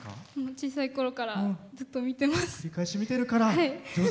小さいころからずっと見てます。